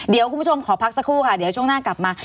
เดี๋ยวคุณผู้ชมขอพักสักครู่ค่ะเดี๋ยวช่วงหน้ากลับมา